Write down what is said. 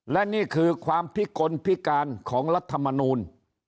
และนี่คือความพิกลพิการของรัฐมนูล